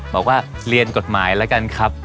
บอกว่าเรียนกฎหมายแล้วกันครับ